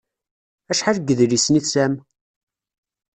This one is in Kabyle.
Acḥal n yedlisen i tesɛam?